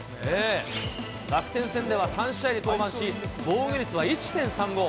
楽天戦では、３試合に登板し、防御率は１．３５。